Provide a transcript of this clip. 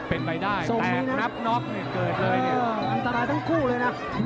เป็นไปได้แตกนับน็อคเกินเลย